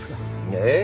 ええ。